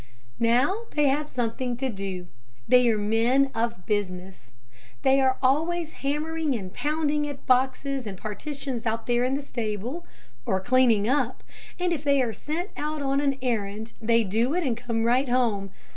Now they have something to do, they are men of business. They are always hammering and pounding at boxes and partitions out there in the stable, or cleaning up, and if they are sent out on an errand, they do it and come right home.